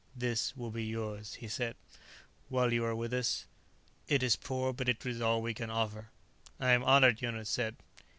"This will be yours," he said, "while you are with us. It is poor but it is all we can offer." "I am honored," Jonas said.